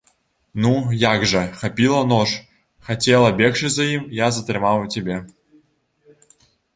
Ну, як жа, хапіла нож, хацела бегчы за ім, я затрымаў цябе.